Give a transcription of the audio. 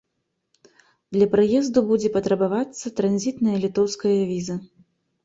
Для праезду будзе патрабавацца транзітная літоўская віза.